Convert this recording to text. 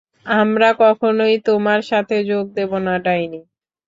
আমরা কখনই তোমার সাথে যোগ দেব না, ডাইনি।